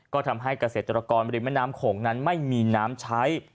ก็ทำให้เกษตรกรบริมแม่น้ำโขงนั้นไม่มีน้ำใช้